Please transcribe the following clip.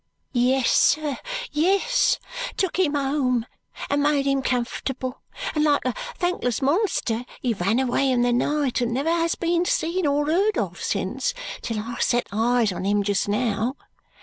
"Yes, sir, yes. Took him home, and made him comfortable, and like a thankless monster he ran away in the night and never has been seen or heard of since till I set eyes on him just now.